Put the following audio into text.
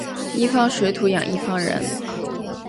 一方水土养一方人